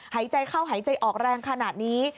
หายใจเข้าหายใจออกแรงขนาดนี้